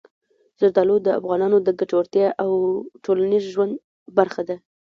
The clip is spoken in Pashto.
زردالو د افغانانو د ګټورتیا او ټولنیز ژوند برخه ده.